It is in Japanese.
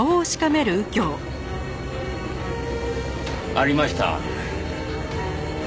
ありました。